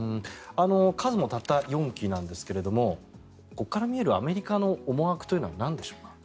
数もたった４基なんですがここから見えるアメリカの思惑はなんでしょうか。